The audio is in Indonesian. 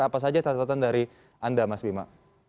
sampai siapasah catatan dari anda mas bima